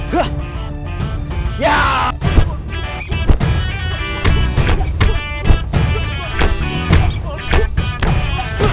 kau tak bisa menang